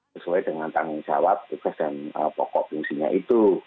sesuai dengan tanggungjawab tugas dan pokok fungsinya itu